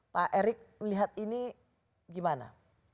pak erik lihat ini gimana